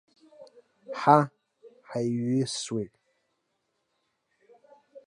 Ҳа ҳаиҩысуеит.